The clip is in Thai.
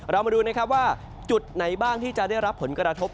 เรามาดูนะครับว่าจุดไหนบ้างที่จะได้รับผลกระทบ